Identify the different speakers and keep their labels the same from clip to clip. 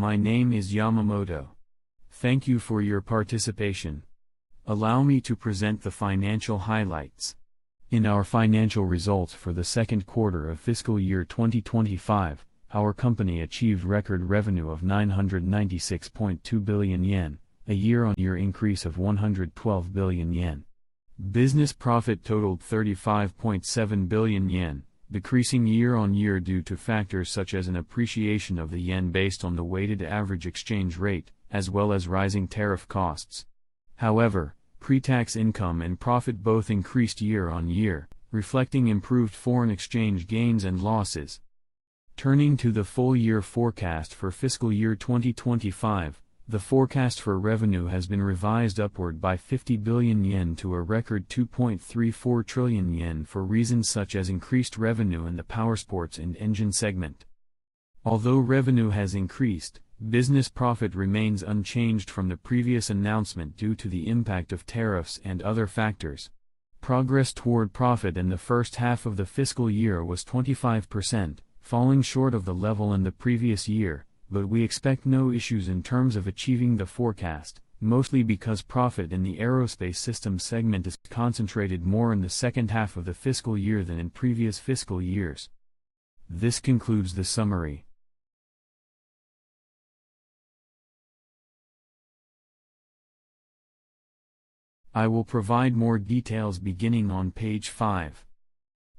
Speaker 1: My name is Yamamoto. Thank you for your participation. Allow me to present the financial highlights. In our financial results for the second quarter of fiscal year 2025, our company achieved record revenue of 996.2 billion yen, a year-on-year increase of 112 billion yen. Business profit totaled 35.7 billion yen, decreasing year-on-year due to factors such as an appreciation of the yen based on the weighted average exchange rate, as well as rising tariff costs. However, pre-tax income and profit both increased year-on-year, reflecting improved foreign exchange gains and losses. Turning to the full-year forecast for fiscal year 2025, the forecast for revenue has been revised upward by 50 billion yen to a record 2.34 trillion yen for reasons such as increased revenue in the power sports and engine segment. Although revenue has increased, business profit remains unchanged from the previous announcement due to the impact of tariffs and other factors. Progress toward profit in the first half of the fiscal year was 25%, falling short of the level in the previous year, but we expect no issues in terms of achieving the forecast, mostly because profit in the Aerospace Systems segment is concentrated more in the second half of the fiscal year than in previous fiscal years. This concludes the summary. I will provide more details beginning on page 5.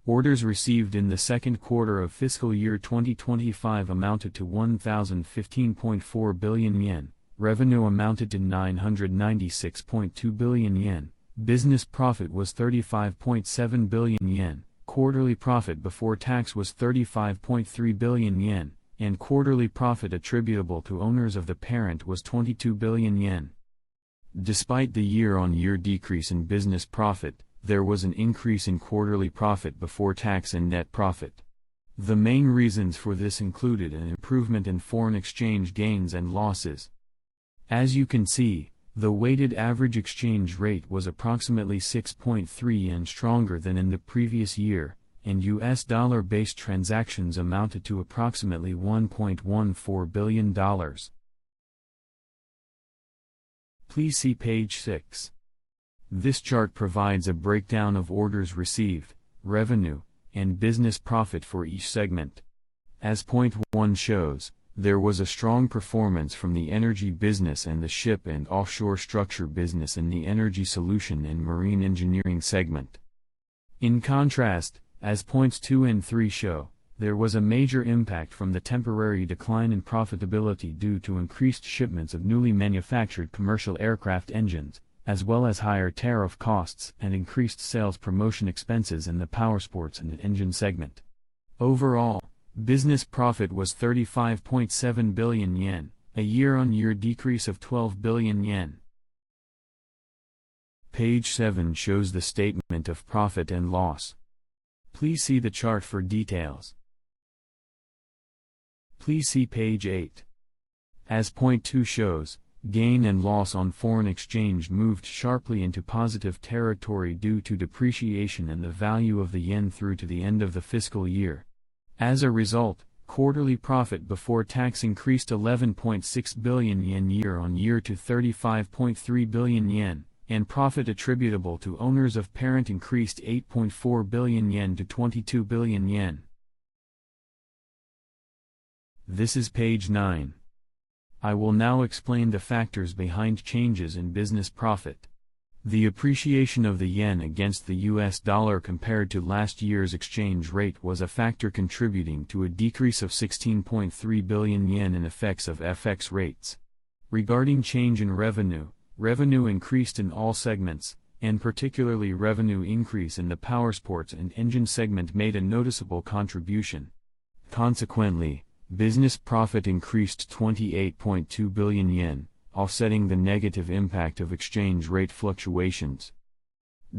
Speaker 1: Orders received in the second quarter of fiscal year 2025 amounted to 1,015.4 billion yen, revenue amounted to 996.2 billion yen, business profit was 35.7 billion yen, quarterly profit before tax was 35.3 billion yen, and quarterly profit attributable to owners of the parent was 22 billion yen. Despite the year-on-year decrease in business profit, there was an increase in quarterly profit before tax and net profit. The main reasons for this included an improvement in foreign exchange gains and losses. As you can see, the weighted average exchange rate was approximately 6.3 yen stronger than in the previous year, and U.S. dollar-based transactions amounted to approximately $1.14 billion. Please see page 6. This chart provides a breakdown of orders received, revenue, and business profit for each segment. As point 1 shows, there was a strong performance from the energy business and the ship and offshore structure business in the Energy Solution and Marine Engineering segment. In contrast, as points 2 and 3 show, there was a major impact from the temporary decline in profitability due to increased shipments of newly manufactured commercial aircraft engines, as well as higher tariff costs and increased sales promotion expenses in the power sports and engine segment. Overall, business profit was 35.7 billion yen, a year-on-year decrease of 12 billion yen. Page 7 shows the statement of profit and loss. Please see the chart for details. Please see page 8. As point 2 shows, gain and loss on foreign exchange moved sharply into positive territory due to depreciation in the value of the yen through to the end of the fiscal year. As a result, quarterly profit before tax increased 11.6 billion yen year-on-year to 35.3 billion yen, and profit attributable to owners of parent increased 8.4 billion yen to 22 billion yen. This is page 9. I will now explain the factors behind changes in business profit. The appreciation of the yen against the U.S. dollar compared to last year's exchange rate was a factor contributing to a decrease of 16.3 billion yen in effects of FX rates. Regarding change in revenue, revenue increased in all segments, and particularly revenue increase in the power sports and engine segment made a noticeable contribution. Consequently, business profit increased 28.2 billion yen, offsetting the negative impact of exchange rate fluctuations.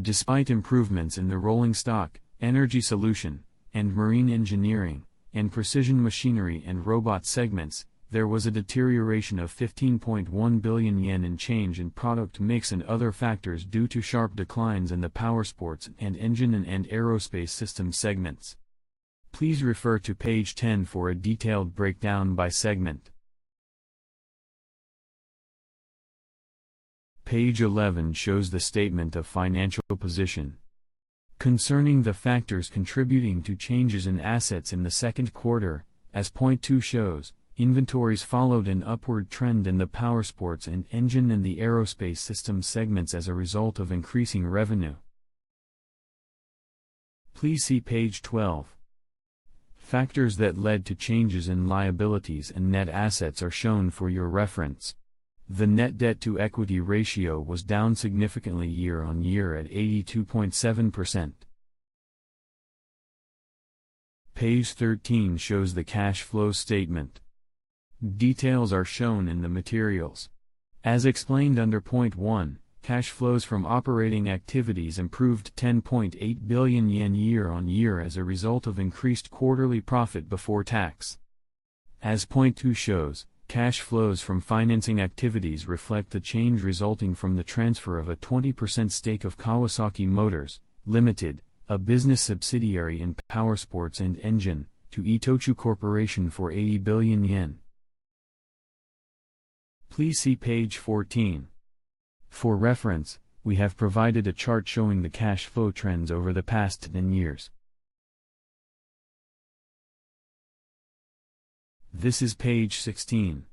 Speaker 1: Despite improvements in the rolling stock, energy solution and marine engineering, and precision machinery and robot segments, there was a deterioration of 15.1 billion yen in change in product mix and other factors due to sharp declines in the power sports and engine and aerospace systems segments. Please refer to page 10 for a detailed breakdown by segment. Page 11 shows the statement of financial position. Concerning the factors contributing to changes in assets in the second quarter, as point 2 shows, inventories followed an upward trend in the power sports and engine and the aerospace systems segments as a result of increasing revenue. Please see page 12. Factors that led to changes in liabilities and net assets are shown for your reference. The net debt to equity ratio was down significantly year-on-year at 82.7%. Page 13 shows the cash flow statement. Details are shown in the materials. As explained under point 1, cash flows from operating activities improved 10.8 billion yen year-on-year as a result of increased quarterly profit before tax. As point 2 shows, cash flows from financing activities reflect the change resulting from the transfer of a 20% stake of Kawasaki Motors Ltd., a business subsidiary in power sports and engine, to Itochu Corporation for 80 billion yen. Please see page 14. For reference, we have provided a chart showing the cash flow trends over the past 10 years. This is page 16.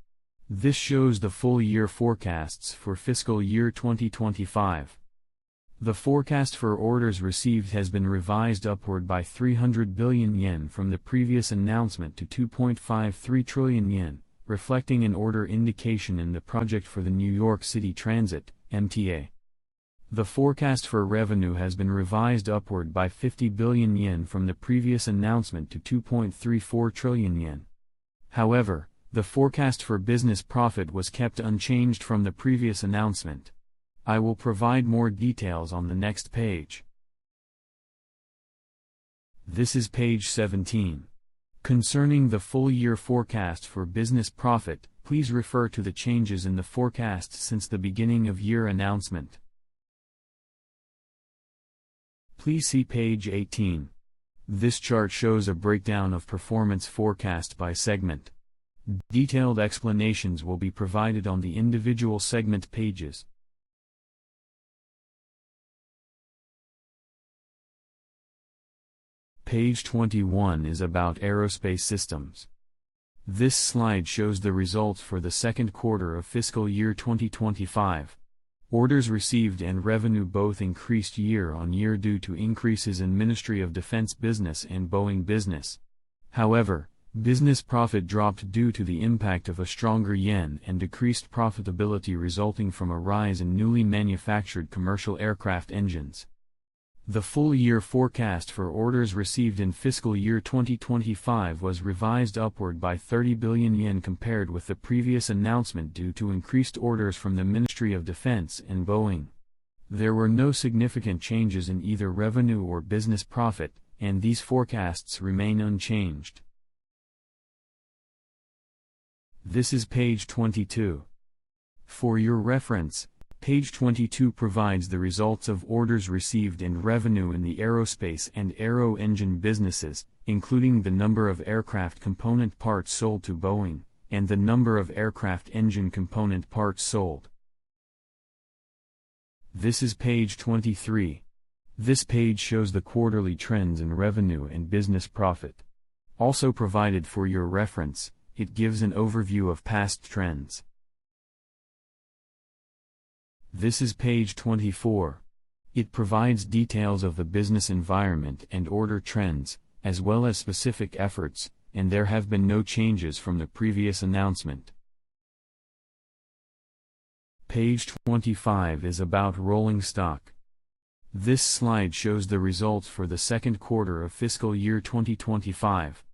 Speaker 1: This shows the full-year forecasts for fiscal year 2025. The forecast for orders received has been revised upward by 300 billion yen from the previous announcement to 2.53 trillion yen, reflecting an order indication in the project for the New York City Transit (MTA). The forecast for revenue has been revised upward by 50 billion yen from the previous announcement to 2.34 trillion yen. However, the forecast for business profit was kept unchanged from the previous announcement. I will provide more details on the next page. This is page 17. Concerning the full-year forecast for business profit, please refer to the changes in the forecasts since the beginning of year announcement. Please see page 18. This chart shows a breakdown of performance forecast by segment. Detailed explanations will be provided on the individual segment pages. Page 21 is about Aerospace Systems. This slide shows the results for the second quarter of fiscal year 2025. Orders received and revenue both increased year-on-year due to increases in Ministry of Defense business and Boeing business. However, business profit dropped due to the impact of a stronger yen and decreased profitability resulting from a rise in newly manufactured commercial aircraft engines. The full-year forecast for orders received in fiscal year 2025 was revised upward by 30 billion yen compared with the previous announcement due to increased orders from the Ministry of Defense and Boeing. There were no significant changes in either revenue or business profit, and these forecasts remain unchanged. This is page 22. For your reference, page 22 provides the results of orders received and revenue in the aerospace and aero engine businesses, including the number of aircraft component parts sold to Boeing and the number of aircraft engine component parts sold. This is page 23. This page shows the quarterly trends in revenue and business profit. Also provided for your reference, it gives an overview of past trends. This is page 24. It provides details of the business environment and order trends, as well as specific efforts, and there have been no changes from the previous announcement. Page 25 is about rolling stock. This slide shows the results for the second quarter of fiscal year 2025.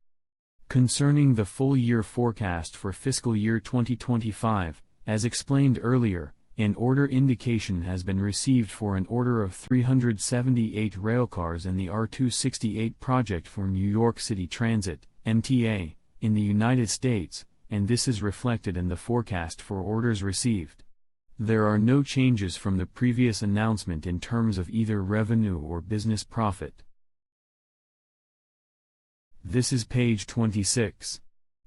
Speaker 1: Concerning the full-year forecast for fiscal year 2025, as explained earlier, an order indication has been received for an order of 378 railcars in the R268 project for New York City Transit (MTA) in the United States, and this is reflected in the forecast for orders received. There are no changes from the previous announcement in terms of either revenue or business profit. This is page 26.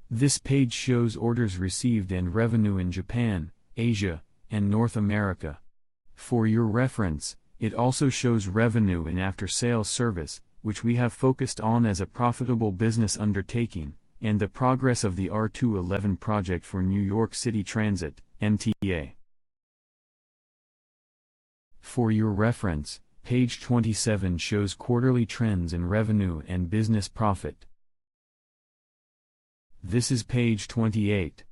Speaker 1: This page shows orders received in revenue in Japan, Asia, and North America. For your reference, it also shows revenue in after-sales service, which we have focused on as a profitable business undertaking, and the progress of the R211 project for New York City Transit (MTA). For your reference, page 27 shows quarterly trends in revenue and business profit. This is page 28.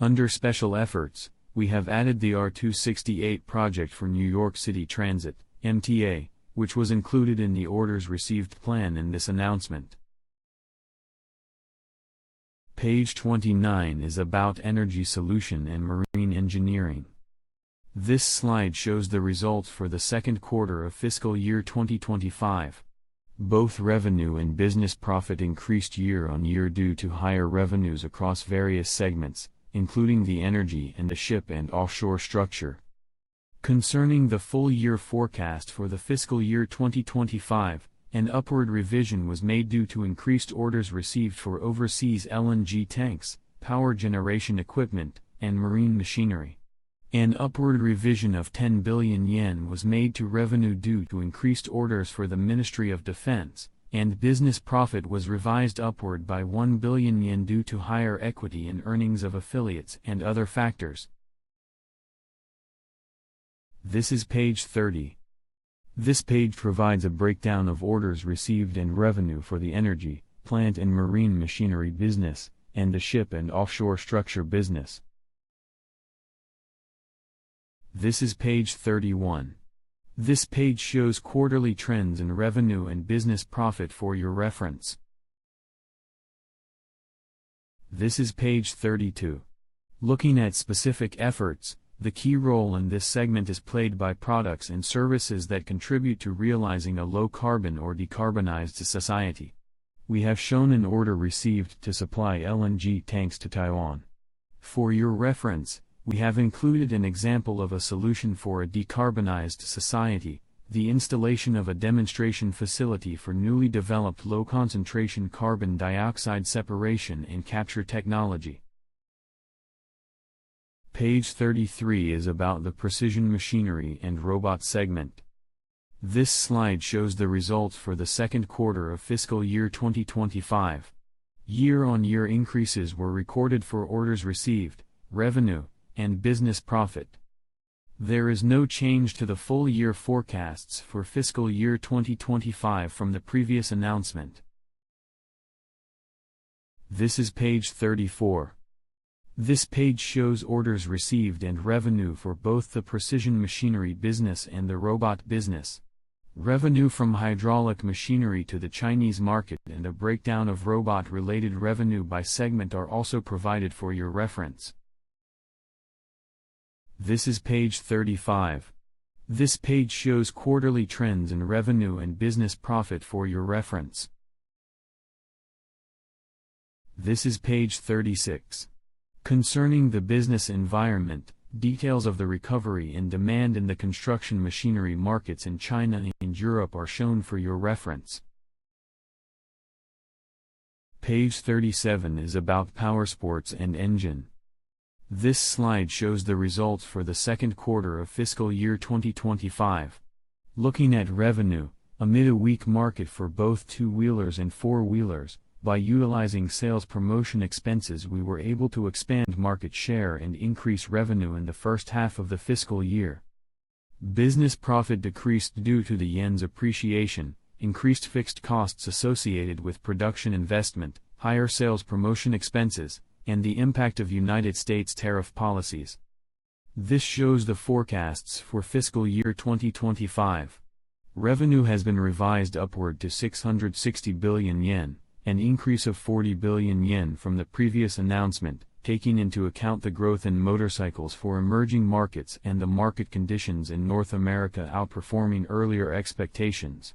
Speaker 1: Under special efforts, we have added the R268 project for New York City Transit (MTA), which was included in the orders received plan in this announcement. Page 29 is about Energy Solution and Marine Engineering. This slide shows the results for the second quarter of fiscal year 2025. Both revenue and business profit increased year-on-year due to higher revenues across various segments, including the energy and the ship and offshore structure. Concerning the full-year forecast for the fiscal year 2025, an upward revision was made due to increased orders received for overseas LNG tanks, power generation equipment, and marine machinery. An upward revision of 10 billion yen was made to revenue due to increased orders for the Ministry of Defense, and business profit was revised upward by 1 billion yen due to higher equity in earnings of affiliates and other factors. This is page 30. This page provides a breakdown of orders received and revenue for the energy, plant and marine machinery business, and the ship and offshore structure business. This is page 31. This page shows quarterly trends in revenue and business profit for your reference. This is page 32. Looking at specific efforts, the key role in this segment is played by products and services that contribute to realizing a low-carbon or decarbonized society. We have shown an order received to supply LNG tanks to Taiwan. For your reference, we have included an example of a solution for a decarbonized society: the installation of a demonstration facility for newly developed low-concentration carbon dioxide separation and capture technology. Page 33 is about the precision machinery and robot segment. This slide shows the results for the second quarter of fiscal year 2025. Year-on-year increases were recorded for orders received, revenue, and business profit. There is no change to the full-year forecasts for fiscal year 2025 from the previous announcement. This is page 34. This page shows orders received and revenue for both the precision machinery business and the robot business. Revenue from hydraulic machinery to the Chinese market and a breakdown of robot-related revenue by segment are also provided for your reference. This is page 35. This page shows quarterly trends in revenue and business profit for your reference. This is page 36. Concerning the business environment, details of the recovery in demand in the construction machinery markets in China and Europe are shown for your reference. Page 37 is about power sports and engine. This slide shows the results for the second quarter of fiscal year 2025. Looking at revenue, amid a weak market for both two-wheelers and four-wheelers, by utilizing sales promotion expenses we were able to expand market share and increase revenue in the first half of the fiscal year. Business profit decreased due to the yen's appreciation, increased fixed costs associated with production investment, higher sales promotion expenses, and the impact of U.S. tariff policies. This shows the forecasts for fiscal year 2025. Revenue has been revised upward to 660 billion yen, an increase of 40 billion yen from the previous announcement, taking into account the growth in motorcycles for emerging markets and the market conditions in North America outperforming earlier expectations.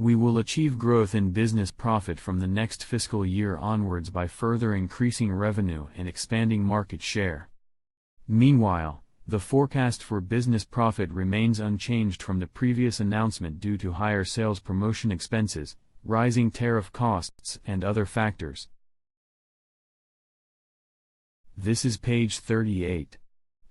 Speaker 1: We will achieve growth in business profit from the next fiscal year onwards by further increasing revenue and expanding market share. Meanwhile, the forecast for business profit remains unchanged from the previous announcement due to higher sales promotion expenses, rising tariff costs, and other factors. This is page 38.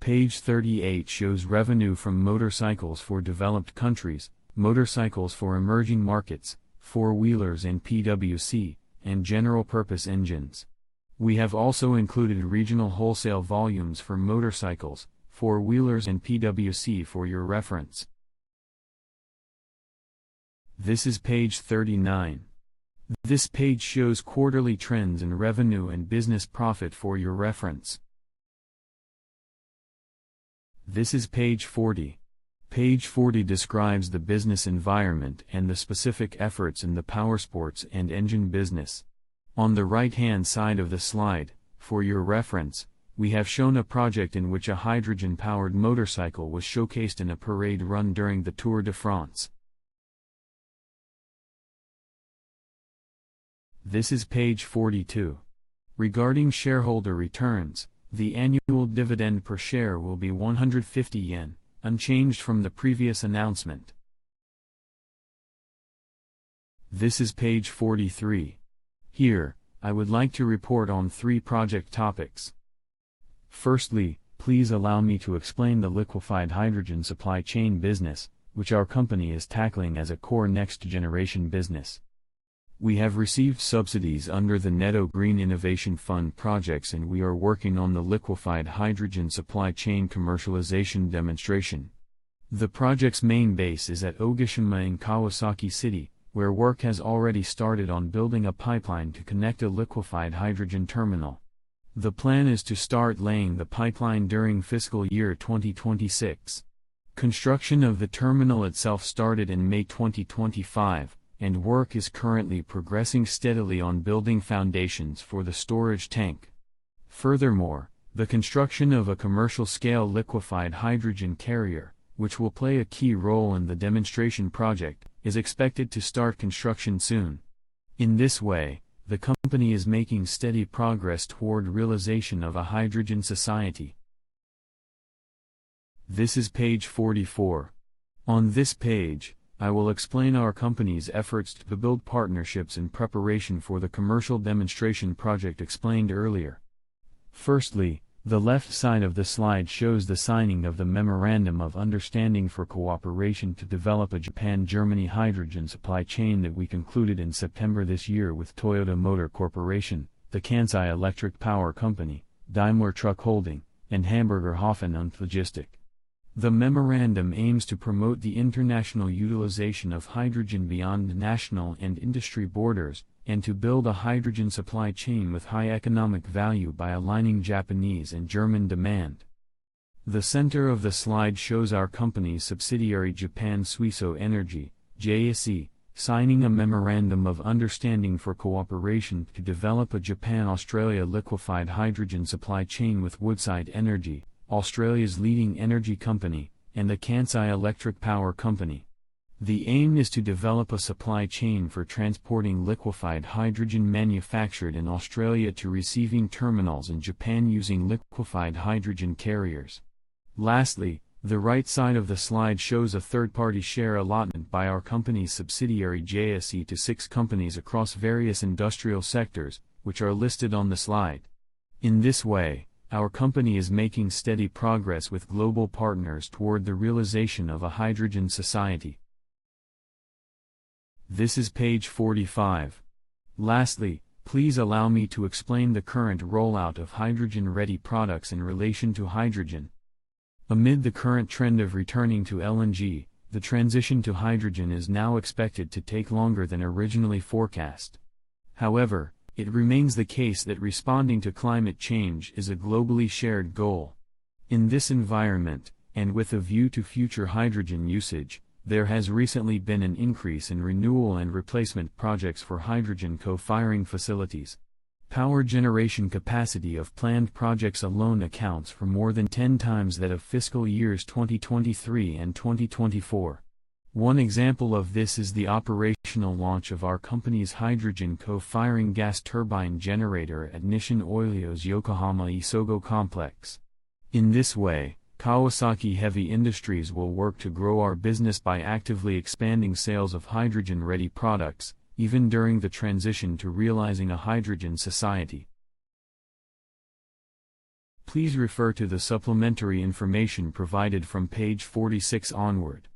Speaker 1: Page 38 shows revenue from motorcycles for developed countries, motorcycles for emerging markets, four-wheelers and PWC, and general-purpose engines. We have also included regional wholesale volumes for motorcycles, four-wheelers and PWC for your reference. This is page 39. This page shows quarterly trends in revenue and business profit for your reference. This is page 40. Page 40 describes the business environment and the specific efforts in the power sports and engine business. On the right-hand side of the slide, for your reference, we have shown a project in which a hydrogen-powered motorcycle was showcased in a parade run during the Tour de France. This is page 42. Regarding shareholder returns, the annual dividend per share will be 150 yen, unchanged from the previous announcement. This is page 43. Here, I would like to report on three project topics. Firstly, please allow me to explain the liquefied hydrogen supply chain business, which our company is tackling as a core next-generation business. We have received subsidies under the NEDO Green Innovation Fund projects and we are working on the liquefied hydrogen supply chain commercialization demonstration. The project's main base is at Ogoshima in Kawasaki City, where work has already started on building a pipeline to connect a liquefied hydrogen terminal. The plan is to start laying the pipeline during fiscal year 2026. Construction of the terminal itself started in May 2025, and work is currently progressing steadily on building foundations for the storage tank. Furthermore, the construction of a commercial-scale liquefied hydrogen carrier, which will play a key role in the demonstration project, is expected to start construction soon. In this way, the company is making steady progress toward realization of a hydrogen society. This is page 44. On this page, I will explain our company's efforts to build partnerships in preparation for the commercial demonstration project explained earlier. Firstly, the left side of the slide shows the signing of the Memorandum of Understanding for cooperation to develop a Japan-Germany hydrogen supply chain that we concluded in September this year with Toyota Motor Corporation, the Kansai Electric Power Company, Daimler Truck Holding, and Hamburger Hafen & Logistik. The memorandum aims to promote the international utilization of hydrogen beyond national and industry borders and to build a hydrogen supply chain with high economic value by aligning Japanese and German demand. The center of the slide shows our company's subsidiary Japan Suiso Energy (JSE), signing a Memorandum of Understanding for cooperation to develop a Japan-Australia liquefied hydrogen supply chain with Woodside Energy, Australia's leading energy company, and the Kansai Electric Power Company. The aim is to develop a supply chain for transporting liquefied hydrogen manufactured in Australia to receiving terminals in Japan using liquefied hydrogen carriers. Lastly, the right side of the slide shows a third-party share allotment by our company's subsidiary JSE to six companies across various industrial sectors, which are listed on the slide. In this way, our company is making steady progress with global partners toward the realization of a hydrogen society. This is page 45. Lastly, please allow me to explain the current rollout of hydrogen-ready products in relation to hydrogen. Amid the current trend of returning to LNG, the transition to hydrogen is now expected to take longer than originally forecast. However, it remains the case that responding to climate change is a globally shared goal. In this environment, and with a view to future hydrogen usage, there has recently been an increase in renewal and replacement projects for hydrogen co-firing facilities. Power generation capacity of planned projects alone accounts for more than 10 times that of fiscal years 2023 and 2024. One example of this is the operational launch of our company's hydrogen co-firing gas turbine generator at Nishin Oilio's Yokohama Isogo Complex. In this way, Kawasaki Heavy Industries will work to grow our business by actively expanding sales of hydrogen-ready products, even during the transition to realizing a hydrogen society. Please refer to the supplementary information provided from page 46 onward.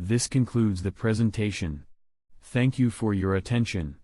Speaker 1: This concludes the presentation. Thank you for your attention.